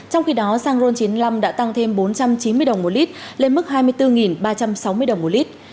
trong khi đó xăng ron chín mươi năm đã tăng thêm bốn trăm chín mươi đồng một lít lên mức hai mươi bốn ba trăm sáu mươi đồng một lít